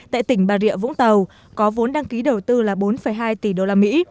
tại tỉnh bà rịa vũng tàu có vốn đăng ký đầu tư là bốn hai tỷ usd